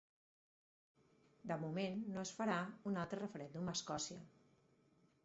De moment no es farà un altre referèndum a Escòcia